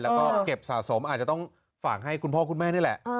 แล้วก็เก็บสะสมอาจจะต้องฝากให้คุณพ่อคุณแม่นี่แหละ